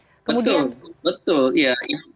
betul betul ya